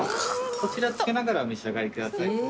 そちら付けながらお召し上がりください。